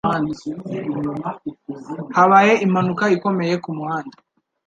Habaye impanuka ikomeye kumuhanda.